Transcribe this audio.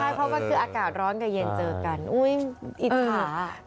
ใช่เพราะว่าคืออากาศร้อนกับเย็นเจอกันอุ๊ยอิจฉา